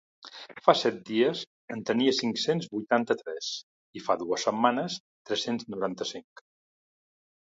Fa set dies, en tenia cinc-cents vuitanta-tres i fa dues setmanes, tres-cents noranta-cinc.